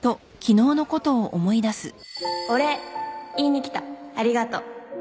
お礼言いに来た。ありがとう